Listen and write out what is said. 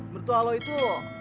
mertua lu itu kan orang kaya